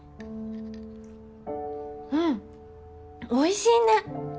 うんおいしいね。